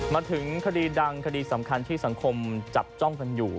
มาถึงคดีดังคดีสำคัญที่สังคมจับจ้องกันอยู่